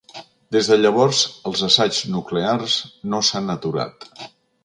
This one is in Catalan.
Des de llavors, els assaigs nuclears no s’han aturat.